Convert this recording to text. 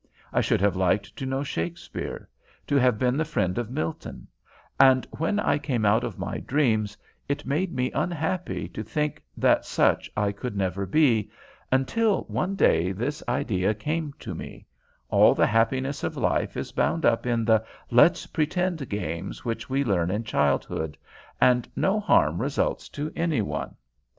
I should have liked to know Shakespeare, to have been the friend of Milton; and when I came out of my dreams it made me unhappy to think that such I never could be, until one day this idea came to me: all the happiness of life is bound up in the 'let's pretend' games which we learn in childhood, and no harm results to any one.